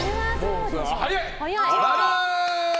早い。